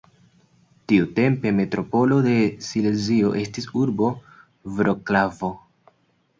Tiutempe metropolo de Silezio estis urbo Vroclavo.